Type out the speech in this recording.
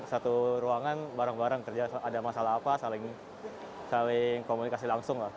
satu ruangan bareng bareng kerja ada masalah apa saling komunikasi langsung lah